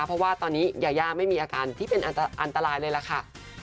เพราะว่าตอนนี้ยายาไม่มีอาการที่เป็นอันตรายเลยล่ะค่ะ